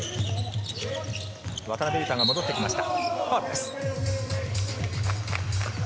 渡邊雄太が戻ってきました。